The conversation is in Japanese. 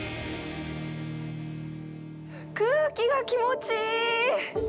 空気が気持ちいい！